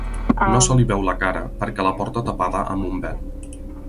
No se li veu la cara perquè la porta tapada amb un vel.